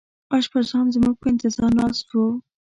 اشپزان زموږ په انتظار ناست وو.